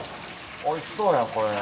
おいしそうやこれ。